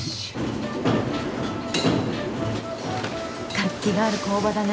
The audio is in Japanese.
活気がある工場だね。